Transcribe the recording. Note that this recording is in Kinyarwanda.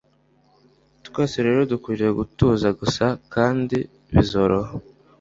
twese rero dukwiye gutuza gusa kandi bizoroha